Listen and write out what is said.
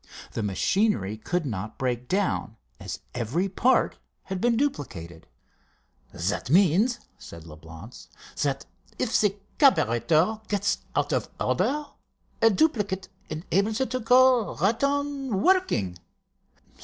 The machinery could not break down, as every part had been duplicated. "That means," said Leblance, "that if the carburetor gets out of order, a duplicate enables it to go right on working.